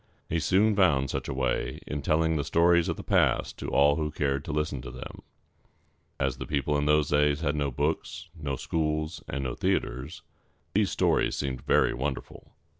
He soon found such a way in telling the stories of the past to all who cared to listen to them. [Illustration: Homer.] As the people in those days had no books, no schools, and no theaters, these stories seemed very wonderful.